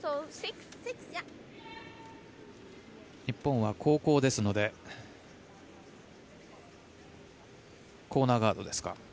日本は後攻ですのでコーナーガードですか。